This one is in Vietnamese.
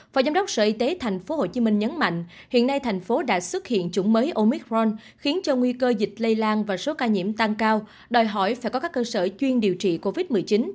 phó giám đốc sở y tế tp hcm nhấn mạnh hiện nay thành phố đã xuất hiện chủng mới omicron khiến cho nguy cơ dịch lây lan và số ca nhiễm tăng cao đòi hỏi phải có các cơ sở chuyên điều trị covid một mươi chín